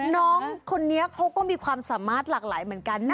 น้องคนนี้เขาก็มีความสามารถหลากหลายเหมือนกันนะ